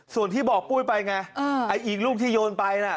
ส่วนที่บอกปุ้ยไปไงไอ้อีกลูกที่โยนไปน่ะ